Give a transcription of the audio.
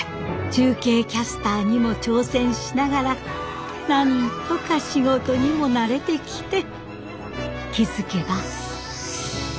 中継キャスターにも挑戦しながらなんとか仕事にも慣れてきて気付けば。